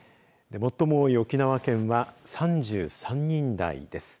最も多い沖縄県は３３人台です。